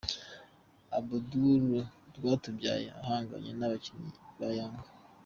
Abdul Rwatubyaye ahanganye n’abakinnyi ba Yanga.